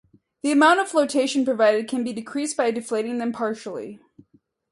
The amount of flotation provided can be decreased by deflating them partially.